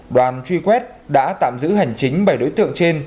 đoàn truy quét đã tạm giữ hành chính bảy đối tượng trên